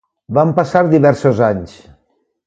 Van passar diversos anys.